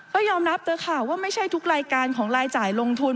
ก็ยอมรับเถอะค่ะว่าไม่ใช่ทุกรายการของรายจ่ายลงทุน